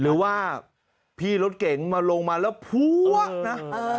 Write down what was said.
หรือว่าพี่รถเก๋งมาลงมาแล้วพัวนะ